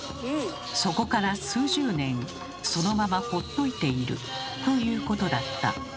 そこから数十年そのままほっといている」ということだった。